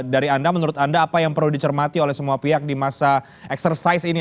dari anda menurut anda apa yang perlu dicermati oleh semua pihak di masa eksersis ini